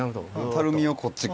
たるみをこっちっ側に。